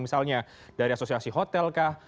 misalnya dari asosiasi hotel kah